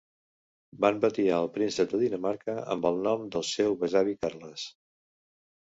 Van batiar el príncep de Dinamarca amb el nom del seu besavi Carles.